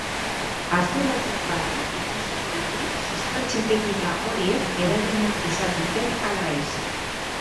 Aste batzuk barru ikusiko dugu suspertze-teknika horiek eragina izan duten ala ez.